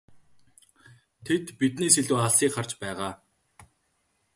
Тэд биднээс илүү алсыг харж байгаа.